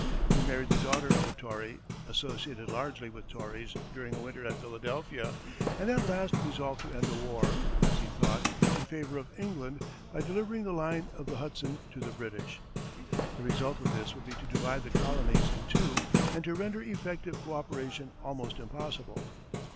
He married the daughter of a Tory, associated largely with Tories during a winter at Philadelphia, and at last resolved to end the war, as he thought, in favor of England by delivering the line of the Hudson to the British. The result of this would be to divide the colonies in two and to render effective co operation almost impossible.